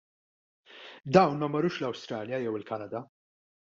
Dawn ma marrux l-Awstralja jew il-Kanada.